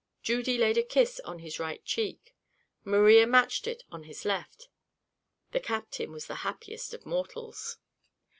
Judy laid a kiss on his right cheek; Maria matched it on his left; the captain was the happiest of mortals.